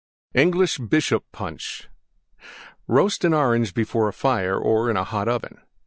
ENGLISH BISHOP PUNCH Roast an Orange before a fire or in a hot oven.